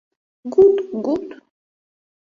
— Гут-гут!